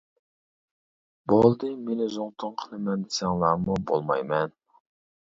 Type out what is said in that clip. بولدى مېنى زۇڭتۇڭ قىلىمەن دېسەڭلارمۇ بولمايمەن.